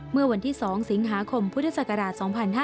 เมื่อวันที่๒สิงหาคมพุทธศักราช๒๕๕๙